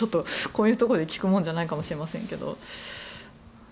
こういうところで聞くものじゃないかもしれませんけど。